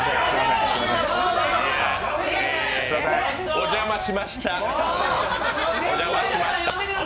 お邪魔しました。